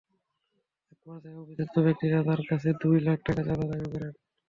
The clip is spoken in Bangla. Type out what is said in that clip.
একপর্যায়ে অভিযুক্ত ব্যক্তিরা তাঁর কাছে দুই লাখ টাকা চাঁদা দাবি করেন।